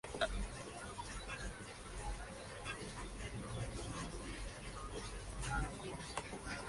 Fue un ferviente luchador por los derechos de los trabajadores petroleros.